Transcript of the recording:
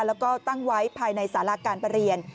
แล้วก็ตั้งไว้ภายในสาราการประเรียน